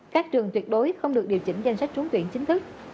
các trường tuyệt đối không được điều chỉnh danh sách trúng tuyển chính thức